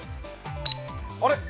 あれ？